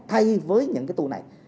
thay với những cái tour này